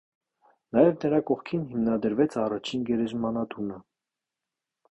Նաև նրա կողքին հիմնադրվեց առաջին գերեզմանատունը։